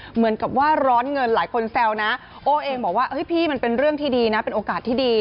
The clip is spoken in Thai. เหมือนกับว่าร้อนเงินหลายคนแซวนะโอ้เองบอกว่าพี่มันเป็นเรื่องที่ดีนะเป็นโอกาสที่ดี